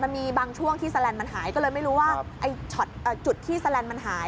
มันมีบางช่วงที่แลนดมันหายก็เลยไม่รู้ว่าไอ้ช็อตจุดที่แสลนด์มันหาย